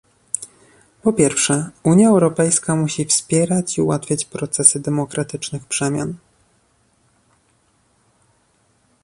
Po pierwsze, Unia Europejska musi wspierać i ułatwiać procesy demokratycznych przemian